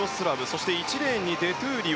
そして１レーンにデ・トゥーリオ。